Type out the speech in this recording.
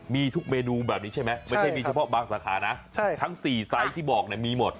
มีทุกเมนูแบบนี้ใช่ไหมไม่ใช่มีเฉพาะบางสาขานะทั้ง๔ไซส์ที่บอกมีหมด